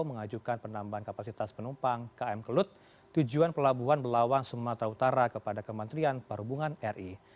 mengajukan penambahan kapasitas penumpang km kelut tujuan pelabuhan belawan sumatera utara kepada kementerian perhubungan ri